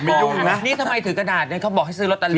นี่ทำไมถือกระดาษเนี่ยเค้าบอกให้ซื้อลอตตาลี